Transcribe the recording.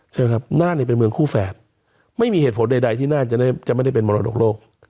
ใช่ไหมครับน่านเนี่ยเป็นเมืองคู่แฝดไม่มีเหตุผลใดที่น่าจะไม่ได้เป็นมรดกโลก